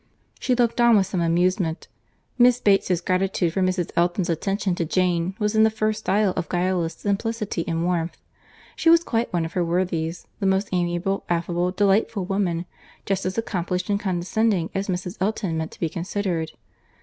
She looked on with some amusement.—Miss Bates's gratitude for Mrs. Elton's attentions to Jane was in the first style of guileless simplicity and warmth. She was quite one of her worthies—the most amiable, affable, delightful woman—just as accomplished and condescending as Mrs. Elton meant to be considered.